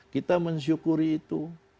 kita mensyukuri itu